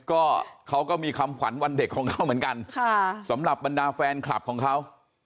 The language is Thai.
ก็เขาก็มีคำขวัญวันเด็กของเขาเหมือนกันสำหรับบรรดาแฟนคลับของเขา